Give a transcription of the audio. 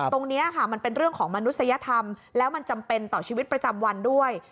ตรงนี้ค่ะมันเป็นเรื่องของมนุษยธรรมแล้วมันจำเป็นต่อชีวิตประจำวันด้วย